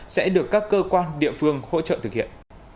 sẽ được các cơ quan địa phương hỗ trợ thực hiện